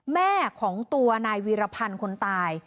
แม่ของตัวนายวีรพันธ์คนตาย